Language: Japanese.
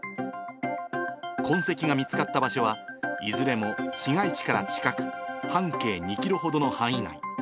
痕跡が見つかった場所は、いずれも市街地から近く、半径２キロほどの範囲内。